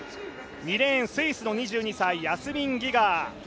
２レーン、スイスの２２歳、ヤスミン・ギガー。